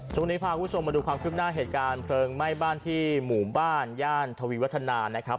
ช่วงนี้พาคุณผู้ชมมาดูความคืบหน้าเหตุการณ์เพลิงไหม้บ้านที่หมู่บ้านย่านทวีวัฒนานะครับ